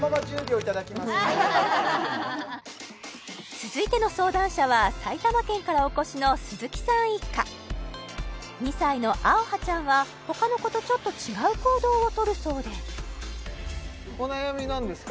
続いての相談者は埼玉県からお越しの鈴木さん一家２歳のあおはちゃんは他の子とちょっと違う行動をとるそうでお悩み何ですか？